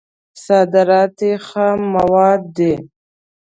صادرات یې خام مواد دي.